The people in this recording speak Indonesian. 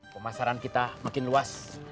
pemasaran kita makin luas